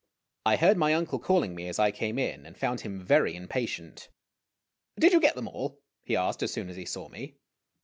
I heard my uncle calling me as I came in, and found him very impatient. "Did you get them all?" he asked, as soon as he saw me.